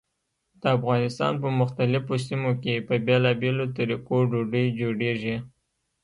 د افغانستان په مختلفو سیمو کې په بېلابېلو طریقو ډوډۍ جوړېږي.